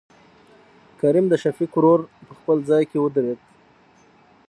کريم دشفيق ورور په خپل ځاى کې ودرېد.